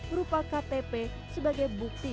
berupa ktp sebagai bukti